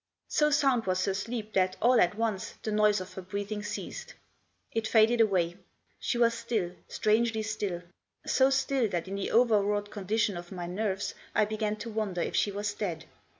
So sound was her sleep that, all at once, the noise of her breathing ceased. It 8 Digitized by 114 THE JOSS. faded away. She was still, strangely still. So still that in the overwrought condition of my nerves I began to wonder if she was dead.